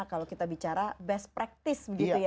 kalau kita bicara best practice